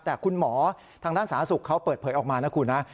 แต่คุณหมอทางด้านสาธารณสุขเขาเปิดเผยออกมานะคุณนะ